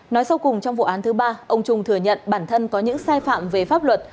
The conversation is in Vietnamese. nói sau cùng trong vụ án thứ ba ông trung thừa nhận bản thân có những sai phạm về pháp luật